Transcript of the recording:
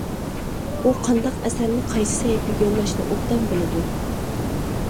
ئۇ قانداق ئەسەرنى قايسى سەھىپىگە يوللاشنى ئوبدان بىلىدۇ.